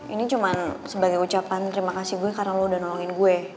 ini cuma sebagai ucapan terima kasih gue karena lo udah nolongin gue